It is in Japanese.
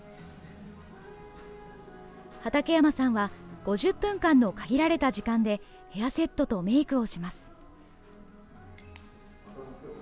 畠山さんは５０分間の限られた時間で、ヘアセットとメークをします。